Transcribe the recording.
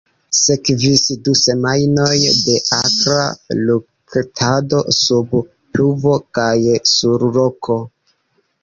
Sekvis du semajnoj de akra luktado sub pluvo kaj sur koto.